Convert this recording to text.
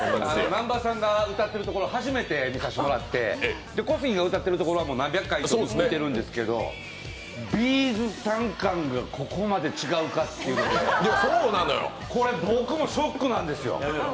南波さんが歌っているところ初めて見せてもらって小杉が歌ってるところは何百回も見ているんですけども、ここまで違うかという、僕もショックなんですよ。